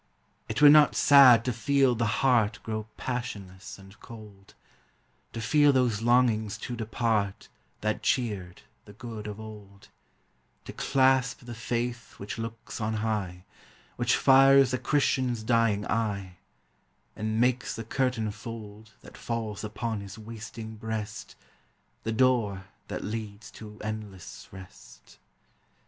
It were not sad to feel the heart Grow passionless and cold; To feel those longings to depart That cheered the good of old; To clasp the faith which looks on high, Which fires the Christian's dying eye, And makes the curtain fold That falls upon his wasting breast, The door that leads to endless rest.